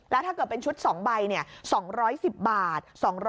แล้วถ้าเกิดเป็นชุด๒ใบ๒๑๐บาท